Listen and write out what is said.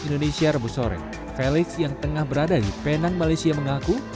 indonesia rebus sore felix yang tengah berada di penang malaysia mengaku